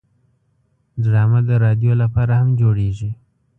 ډرامه د رادیو لپاره هم جوړیږي